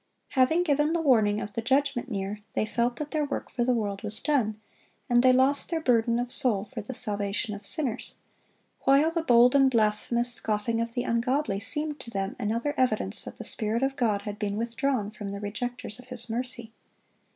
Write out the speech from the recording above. Having given the warning of the judgment near, they felt that their work for the world was done, and they lost their burden of soul for the salvation of sinners, while the bold and blasphemous scoffing of the ungodly seemed to them another evidence that the Spirit of God had been withdrawn from the rejecters of His mercy.